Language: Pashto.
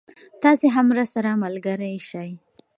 تاسې هم راسره ملګری شئ.